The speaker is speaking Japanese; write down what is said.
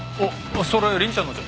それ凛ちゃんのじゃ。